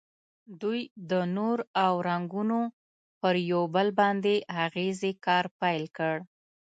دوی د نور او رنګونو پر یو بل باندې اغیزې کار پیل کړ.